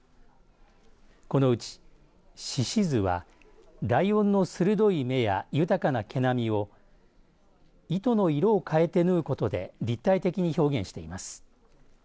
このうち、獅子図はライオンの鋭い目や豊かな毛並みを糸の色を変えて縫うことで立体的に表現しています。